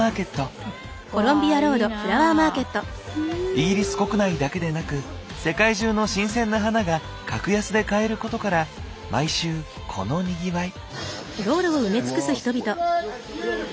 イギリス国内だけでなく世界中の新鮮な花が格安で買えることから毎週このにぎわい。